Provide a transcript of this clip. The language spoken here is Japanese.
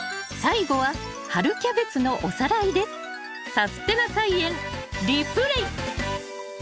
「さすてな菜園リプレイ」！